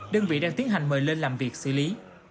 đơn vị đang tiến hành mời lên làm việc xử lý